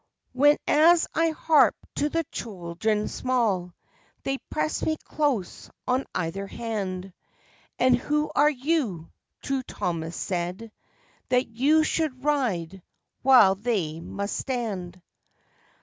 "Whenas I harp to the children small, They press me close on either hand: And who are you," True Thomas said, "That you should ride while they must stand?